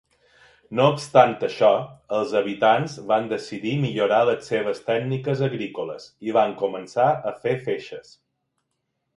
No obstant això, els habitants van decidir millorar les seves tècniques agrícoles i van començar a fer feixes.